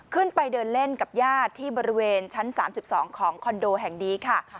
ขึ้นไปเดินเล่นกับญาติที่บริเวณชั้น๓๒ของคอนโดแห่งนี้ค่ะ